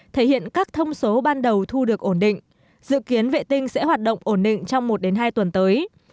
thể hiện các thông số ban đầu thu được ổn định dự kiến vệ tinh sẽ hoạt động ổn định trong một hai tuần tới